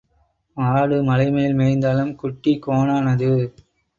ஆடு மலைமேல் மேய்ந்தாலும் குட்டி கோனானது.